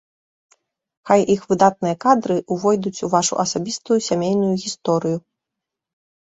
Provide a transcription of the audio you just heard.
Хай іх выдатныя кадры увойдуць у вашу асабістую сямейную гісторыю!